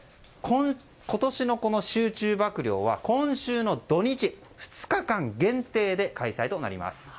今年の集中曝涼は、今週の土日２日間限定で開催となります。